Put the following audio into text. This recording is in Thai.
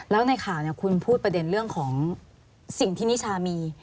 แล้วในข่าวคุณพูดประเด็นเรื่องของสิ่งที่นิชามี